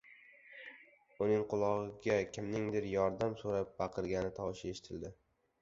Uning qulogʻiga kimningdir yordam soʻrab baqirayotgan tovushi eshitiladi.